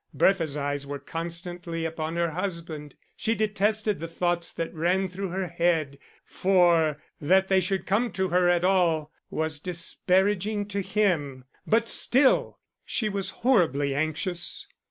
Bertha's eyes were constantly upon her husband. She detested the thoughts that ran through her head, for that they should come to her at all was disparaging to him; but still she was horribly anxious.